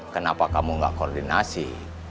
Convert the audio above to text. kenapa kamu gak koordinasi